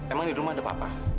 emang di rumah ada papa